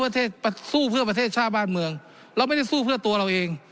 สู้เพื่อประเทศชาติบ้านเมืองเราไม่ได้สู้เพื่อตัวเราเอง